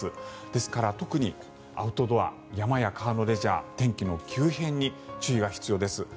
ですから特に、アウトドア山や川のレジャー天気の急変に注意が必要です。